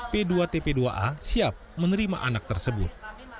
p dua tp dua a siap menerima anak tersebut